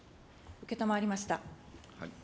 承りました。